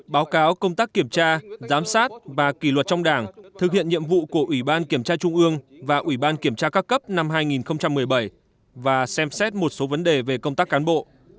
báo cáo công tác kiểm tra giám sát và kỷ luật trong đảng thực hiện nhiệm vụ của ủy ban kiểm tra trung ương và ủy ban kiểm tra các cấp năm hai nghìn một mươi bảy và xem xét một số vấn đề về công tác cán bộ